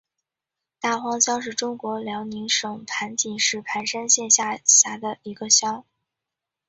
大荒乡是中国辽宁省盘锦市盘山县下辖的一个乡。